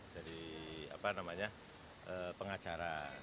dari apa namanya pengacara